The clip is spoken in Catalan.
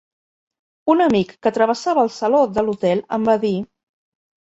Un amic que travessava el saló de l'hotel em va dir